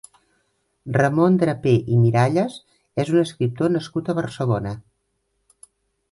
Ramón Draper i Miralles és un escriptor nascut a Barcelona.